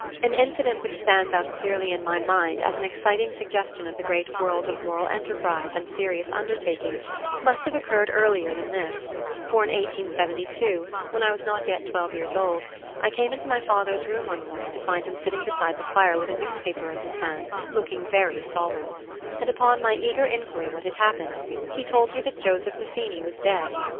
An incident which stands out clearly in my mind as an exciting suggestion of the great world of moral enterprise and serious undertakings must have occurred earlier than this, for in 1872, when I was not yet twelve years old, I came into my father's room one morning to find him sitting beside the fire with a newspaper in his hand, looking very solemn; and upon my eager inquiry what had happened, he told me that Joseph Mazzini was dead.